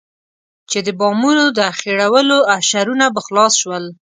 چې د بامونو د اخېړولو اشرونه به خلاص شول.